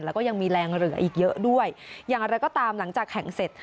แล้วก็ยังมีแรงเหลืออีกเยอะด้วยอย่างไรก็ตามหลังจากแข่งเสร็จ